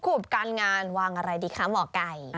รูปการงานวางอะไรดีคะหมอไก่